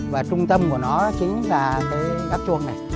và trung tâm của nó chính là cái gác chuông này